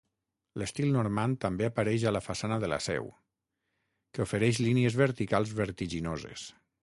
L'estil normand també apareix a la façana de la seu, que ofereix línies verticals vertiginoses.